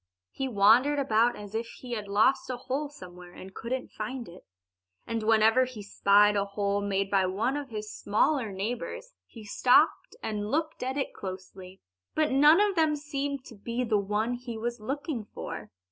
He wandered about as if he had lost a hole somewhere and couldn't find it. And whenever he spied a hole made by one of his smaller neighbors he stopped and looked at it closely. But none of them seemed to be the one he was looking for.